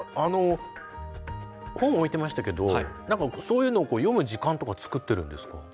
本を置いてましたけどそういうのを読む時間とかつくってるんですか？